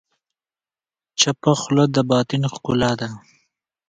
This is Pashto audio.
چپه خوله، د باطن ښکلا ده.